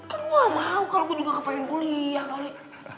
kan gue nggak mau kalau gue juga kepengen kuliah kali